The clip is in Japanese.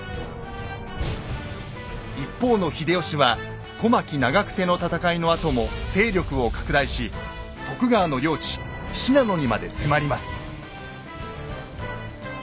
一方の秀吉は小牧・長久手の戦いのあとも勢力を拡大し徳川の領地信濃にまで迫ります。